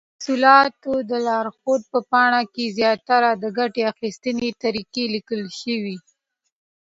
د محصولاتو د لارښود په پاڼه کې زیاتره د ګټې اخیستنې طریقه لیکل شوې.